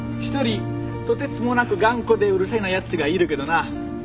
一人とてつもなく頑固でうるさいなやつがいるけどな。